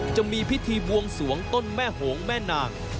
จะมีพิธีบวงสวงต้นแม่โหงแม่นาง